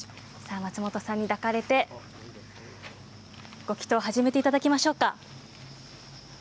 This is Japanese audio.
松本さんに抱かれてご祈とうを始めていただきましょう。